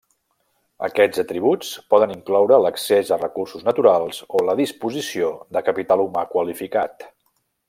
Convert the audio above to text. Aquests atributs poden incloure l'accés a recursos naturals o la disposició de capital humà qualificat.